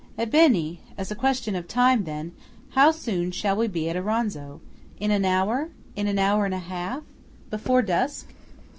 "Ebbene!–as a question of time, then:–how soon shall we be at Auronzo? In an hour? In an hour and a half? Before dusk?"